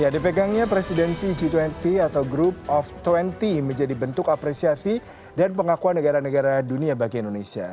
dipegangnya presidensi g dua puluh atau group of dua puluh menjadi bentuk apresiasi dan pengakuan negara negara dunia bagi indonesia